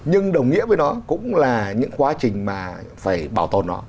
nhưng đồng nghĩa với nó cũng là những quá trình mà phải bảo tồn nó